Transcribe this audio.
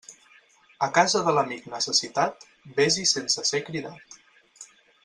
A casa de l'amic necessitat, vés-hi sense ser cridat.